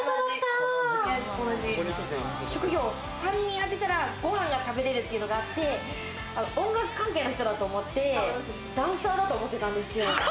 職業３人あてたらご飯が食べれるというのがあって、音楽関係の人だと思って、ダンサーだと思ってたんですよ。